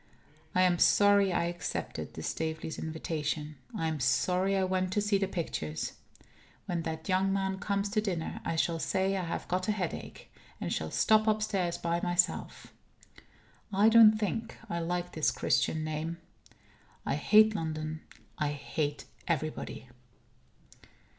I am sorry I accepted the Staveleys' invitation. I am sorry I went to see the pictures. When that young man comes to dinner, I shall say I have got a headache, and shall stop upstairs by myself. I don't think I like his Christian name. I hate London. I hate everybody.